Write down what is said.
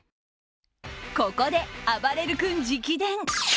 ここであばれる君直伝。